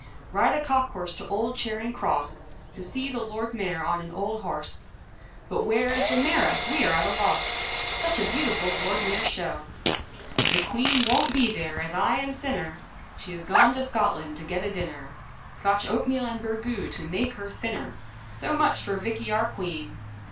Ride a cock horse to old Charing Cross, To see the Lord Mayor on an old horse, But where is the Mayoress we are at a loss, Such a beautiful Lord Mayor's Show. The Queen won't be there, as I am sinner, She has gone to Scotland to get a dinner, Scotch oatmeal and burgoo, to make her thinner, So much for Vickey our Queen.